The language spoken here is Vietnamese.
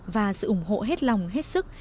và sự ủng hộ hết lòng hết sức